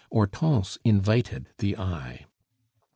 Hortense invited the eye.